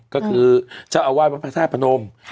ก็คือเจ้าอาวาสวัดพระธาตุพนม